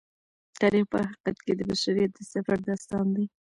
تاریخ په حقیقت کې د بشریت د سفر داستان دی.